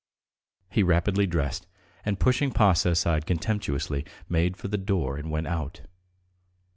He rapidly dressed, and pushing Pasha aside contemptuously, made for the door and went out.